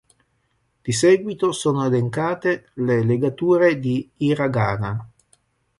Di seguito sono elencate le legature di hiragana.